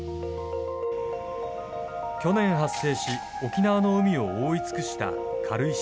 去年発生し沖縄の海を覆い尽くした軽石。